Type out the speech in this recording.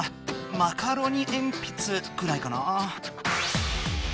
「マカロニえんぴつ」くらいかな。